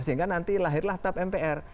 sehingga nanti lahirlah tap mpr